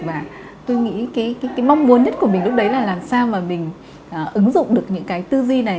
và tôi nghĩ cái mong muốn nhất của mình lúc đấy là làm sao mà mình ứng dụng được những cái tư duy này